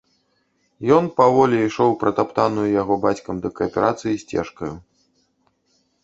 Ён паволі ішоў пратаптанаю яго бацькам да кааперацыі сцежкаю.